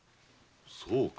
そうか。